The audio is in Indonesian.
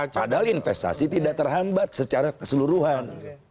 padahal investasi tidak terhambat secara keseluruhan